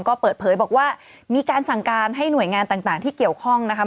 ก็เปิดเผยบอกว่ามีการสั่งการให้หน่วยงานต่างที่เกี่ยวข้องนะคะ